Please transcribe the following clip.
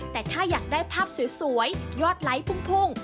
แต่ถ้าอยากได้ภาพสวยยอดไลค์พุ่ง